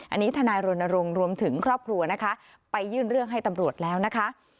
อันนี้ทนายรณรงค์รวมถึงครอบครัวนะคะไปยื่นเรื่องให้ตำรวจแล้วนะคะ